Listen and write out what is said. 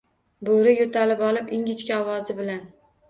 Boʻri yoʻtalib olib, ingichka ovoz bilan: